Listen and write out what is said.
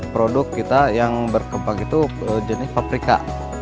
produk kita yang berkembang itu jenis paprika